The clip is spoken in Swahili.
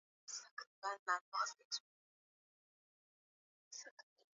wako katika hatar kubwa ya kutumia mihadarati na vileo